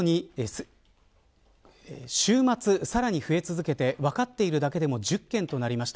週末、さらに増え続けて分かってるだけでも１０件となりました。